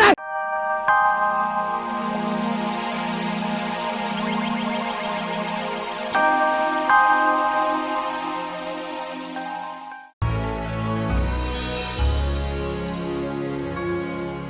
jangan sembarangan town